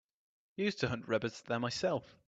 Used to hunt rabbits there myself.